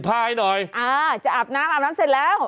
อ้าจะอาบน้ำอาบน้ำเสร็จแล้ว